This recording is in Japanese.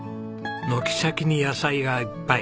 軒先に野菜がいっぱい。